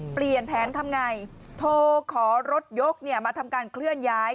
เปลี่ยนแผนทำไงโทรขอรถยกเนี่ยมาทำการเคลื่อนย้าย